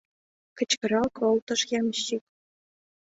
— кычкырал колтыш ямщик.